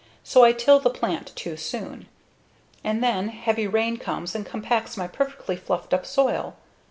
So I till and plant too soon. And then heavy rain comes and compacts my perfectly fluffed up soil.